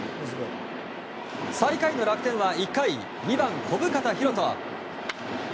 最下位の楽天は１回２番、小深田大翔。